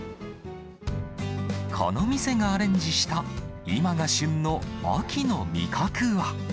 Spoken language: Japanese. この店がアレンジした、今が旬の秋の味覚は。